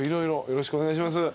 よろしくお願いします。